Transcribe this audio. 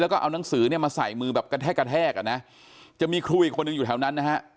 แล้วก็เอานังสือเนี่ยมาใส่มือแบบกระแทกกระแทกอ่ะนะจะมีครูอีกคนนึงอยู่แถวนั้นนะฮะ